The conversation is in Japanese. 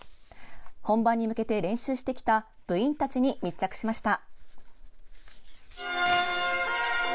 本番に向けて練習してきた部員たちに密着しました。